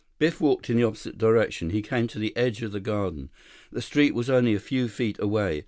Biff walked in the opposite direction. He came to the edge of the garden. The street was only a few feet away.